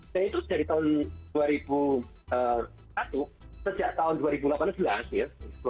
saya itu dari tahun dua ribu satu sejak tahun dua ribu delapan belas ya